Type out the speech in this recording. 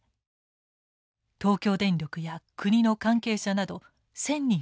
東京電力や国の関係者など１，０００人を超えます。